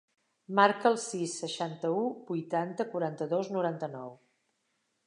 Marca el sis, seixanta-u, vuitanta, quaranta-dos, noranta-nou.